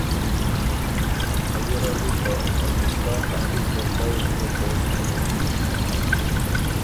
پۀ ګیرډ اِر ته افغانستان ا ریګولر پؤځ ګۀ خوست کی رسيېک